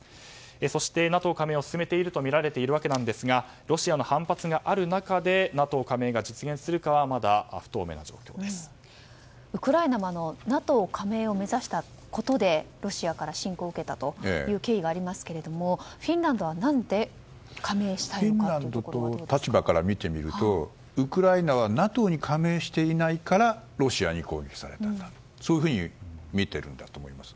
そしてＮＡＴＯ加盟を進めているとみられていますがロシアの反発がある中でＮＡＴＯ加盟が実現するかはウクライナもＮＡＴＯ加盟を目指したことでロシアから侵攻を受けたという経緯がありますがフィンランドは何でフィンランドの立場から見るとウクライナはＮＡＴＯに加盟していないからロシアに攻撃されたんだとそういうふうに見ているんだと思います。